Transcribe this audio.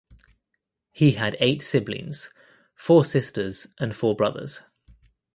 He had eight siblings (four sisters and four brothers).